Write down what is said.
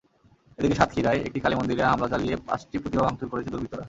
এদিকে সাতক্ষীরায় একটি কালীমন্দিরে হামলা চালিয়ে পাঁচটি প্রতিমা ভাঙচুর করেছে দুর্বৃত্তরা।